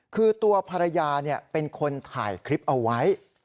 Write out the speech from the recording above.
คือตัวภรรยาเป็นคนถ่ายคลิปเอาไว้